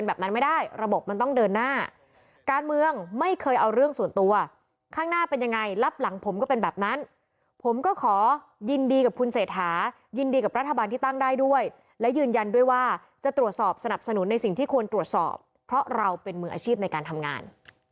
แบบนั้นไม่ได้ระบบมันต้องเดินหน้าการเมืองไม่เคยเอาเรื่องส่วนตัวข้างหน้าเป็นยังไงรับหลังผมก็เป็นแบบนั้นผมก็ขอยินดีกับคุณเศรษฐายินดีกับรัฐบาลที่ตั้งได้ด้วยและยืนยันด้วยว่าจะตรวจสอบสนับสนุนในสิ่งที่ควรตรวจสอบเพราะเราเป็นมืออาชีพในการทำงาน